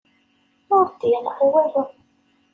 Ur d-yeḍṛi walu.